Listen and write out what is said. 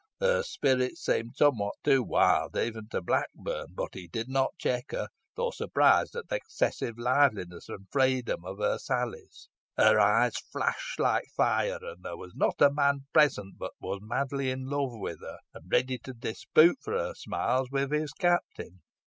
Her spirits seemed somewhat too wild even to Blackburn, but he did not check her, though surprised at the excessive liveliness and freedom of her sallies. Her eyes flashed like fire, and there was not a man present but was madly in love with her, and ready to dispute for her smiles with his captain.